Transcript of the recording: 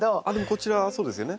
こちらそうですよね。